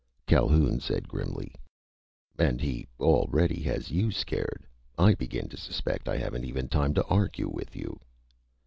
Calhoun said grimly: "And he already has you scared! I begin to suspect I haven't even time to argue with you!"